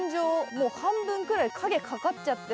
もう半分くらい影かかっちゃってるので。